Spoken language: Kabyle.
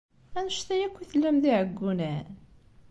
Annect-a akk i tellam d iɛeggunen?